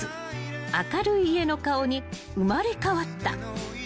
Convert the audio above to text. ［明るい家の顔に生まれ変わった］